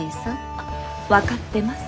あ分かってます。